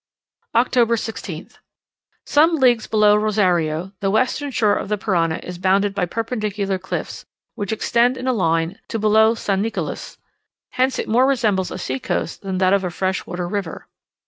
October 16th. Some leagues below Rozario, the western shore of the Parana is bounded by perpendicular cliffs, which extend in a long line to below San Nicolas; hence it more resembles a sea coast than that of a fresh water river.